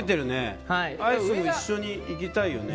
アイスも一緒にいきたいよね。